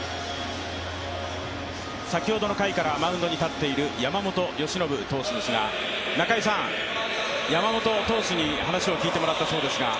先ほどの回からマウンドに立っている山本由伸投手ですが、中居さん、山本投手に話を聞いてもらったそうですが？